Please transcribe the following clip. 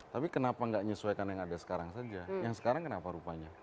tapi kenapa nggak nyesuaikan yang ada sekarang saja yang sekarang kenapa rupanya